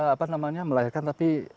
apa namanya melahirkan tapi